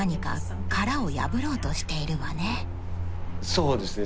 そうですね。